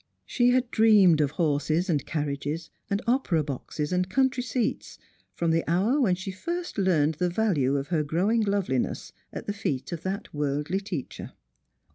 She had dreamed of horses and carriages, and opera boxes and country seats, from the hour when she first learned the value of her growing loveliness at the feet of that worldly teacher.